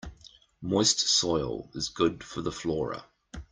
Moist soil is good for the flora.